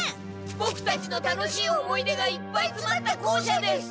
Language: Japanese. ボクたちの楽しい思い出がいっぱいつまった校舎です！